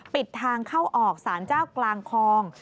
ปิดทางเข้าออกสารเจ้ากลางคลอง